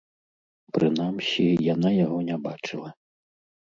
Прынамсі, яна яго не бачыла.